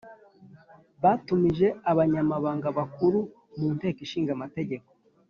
Batumije Abanyamabanga Bakuru mu Nteko Ishinga Amategeko